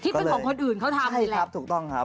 คลิปเป็นของคนอื่นเขาทำนี่แหละ